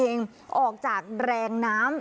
มองตัวเองออกจากแรงน้ำ